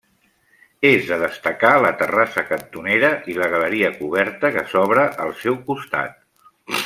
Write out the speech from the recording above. És de destacar la terrassa cantonera, i la galeria coberta que s'obra al seu costat.